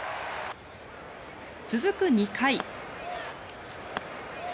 続く２回。